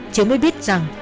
chứ mới biết rằng